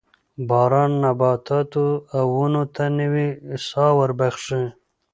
باران نباتاتو او ونو ته نوې ساه وربخښي